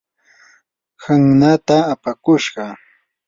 hawnaata apakushqa.